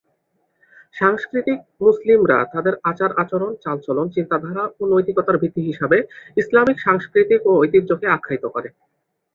সাংস্কৃতিক মুসলিমরা তাদের আচার-আচরণ, চাল-চলন, চিন্তাধারা ও নৈতিকতার ভিত্তি হিসাবে ইসলামিক সাংস্কৃতিক ও ঐতিহ্যকে আখ্যায়িত করে।